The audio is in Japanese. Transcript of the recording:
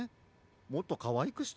もっとかわいくしたら？